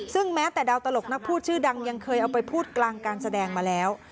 ซึ่งแม้แต่ดาวตลกนักพูดชื่อดังยังเคยเอาไปพูดกลางการแสดงมาแล้ว